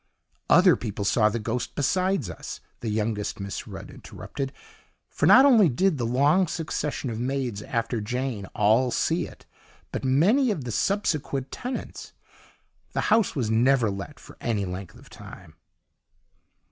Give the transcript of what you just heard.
"Other people saw the ghost besides us," the youngest Miss Rudd interrupted, "for not only did the long succession of maids after Jane ALL see it, but many of the subsequent tenants; the house was never let for any length of time."